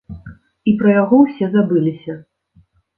І пра яго ўсе забыліся.